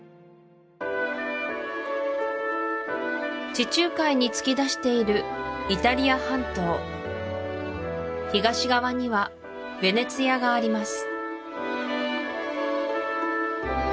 地中海に突き出しているイタリア半島東側にはヴェネツィアがあります